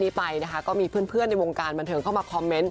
ได้ไปนะคะก็มีเพื่อนเพื่อนในวงการบันเทอมเข้ามา